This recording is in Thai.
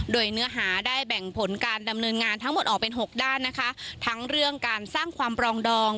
โดยเนื้อหาได้แบ่งผลการดำเนินงานทั้งหมดออกเป็นหกด้านนะคะทั้งเรื่องการสร้างความปรองดอง